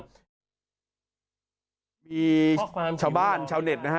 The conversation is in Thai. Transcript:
มีชาวบ้านชาวเน็ตนะฮะ